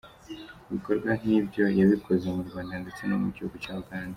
Ibikorwa nk'ibyo yabikoze mu Rwanda ndetse no mu gihugu cya Uganda.